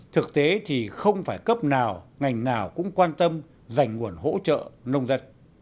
thực tế thì không phải cấp nào ngành nào cũng quan tâm dành nguồn hỗ trợ nông dân